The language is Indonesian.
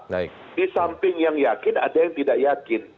di samping yang yakin ada yang tidak yakin